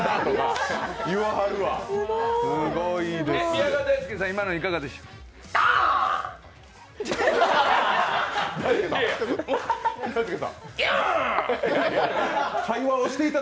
宮川大輔さん、今のいかがでした？